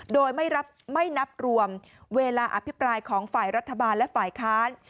โดยไม่นับรวมเวลาอภิปรายของฝ่ายรัฐบาลและฝ่ายค้าน